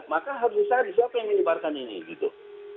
maka harus dicari siapa yang menyebarkan ini gitu